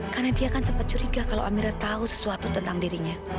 karena dia kan sempat curiga kalau amira tahu sesuatu tentang dirinya